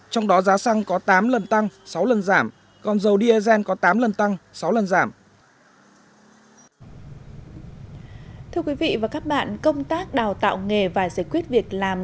trong đó giá xăng có tám lần tăng sáu lần giảm còn dầu diesel có tám lần tăng sáu lần giảm